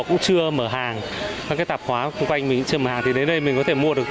cũng chưa mở hàng các tạp khóa xung quanh mình cũng chưa mở hàng đến đây mình có thể mua được